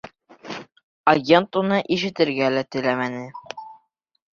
Агент уны ишетергә лә теләмәне.